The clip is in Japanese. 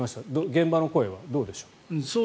現場の声はどうでしょう？